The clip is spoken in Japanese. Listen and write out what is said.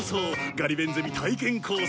ガリ勉ゼミ体験コースへ。